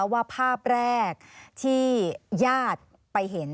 ว่าภาพแรกที่ญาติไปเห็น